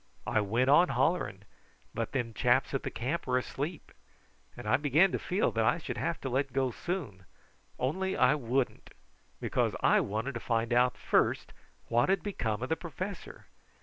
"I went on hollering, but them chaps at the camp were asleep, and I began to feel that I should have to let go soon; only I wouldn't, because I wanted to find out first what had become of the professor.